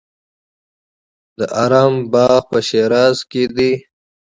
د ارم باغ په شیراز کې دی.